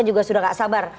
juga sudah gak sabar